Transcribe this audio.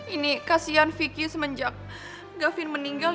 ini kasian vicky semenjak gavin meninggal